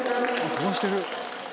飛ばしてる。